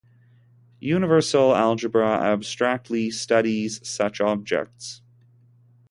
Universal algebra abstractly studies such objects.